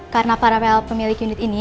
karena pak rafael pemilik unit ini